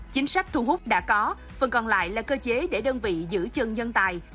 chính sách thu hút đã có phần còn lại là cơ chế để đơn vị giữ chân nhân tài